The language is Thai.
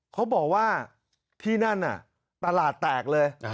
เขาบอกว่าที่นั่นน่ะตลาดแตกเลย